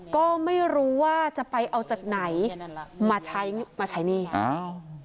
ก็ไม่รู้ว่าจะไปเอาจากไหนมาใช้มาใช้หนี้อ้าว